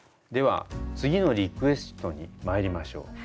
では次のリクエストにまいりましょう。